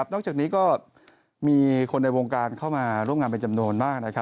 นอกจากนี้ก็มีคนในวงการเข้ามาร่วมงานเป็นจำนวนมาก